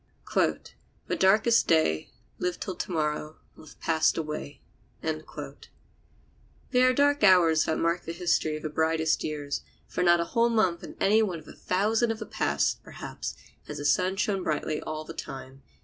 ] "The darkest day, Live till to morrow, will have passed away." There are dark hours that mark the history of the brightest years. For not a whole month in any one of the thousand of the past, perhaps, has the sun shone brilliantly all the time.